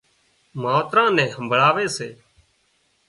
ماوتران نين همڀۯاوي سي